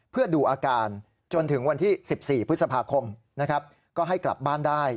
เพื่อดูอาการ